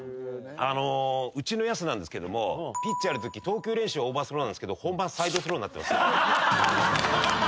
あのうちのやすなんですけどもピッチャーやるとき投球練習はオーバースローなんですけど本番サイドスローになってます。